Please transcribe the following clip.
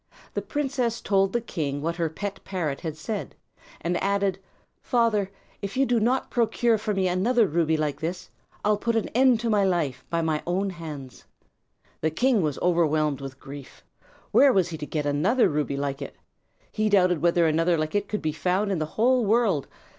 The princess told the king what her pet parrot had said, and added, "Father, if you do not procure for me another ruby like this, I'll put an end to my life by mine own hands." The king was overwhelmed with grief. Where was he to get another ruby like it? He doubted whether another like it could be found in the whole world.